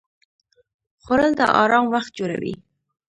خوړل د آرام وخت جوړوي